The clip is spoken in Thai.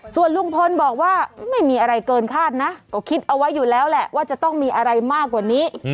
ส่วนลุงพลบอกว่าไม่มีอะไรเกินคาดนะก็คิดเอาไว้อยู่แล้วแหละว่าจะต้องมีอะไรมากกว่านี้